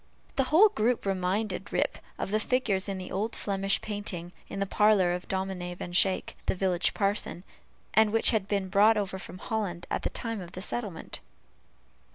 The whole group reminded Rip of the figures in an old Flemish painting, in the parlor of Dominie Van Schaick, the village parson, and which had been brought over from Holland at the time of the settlement.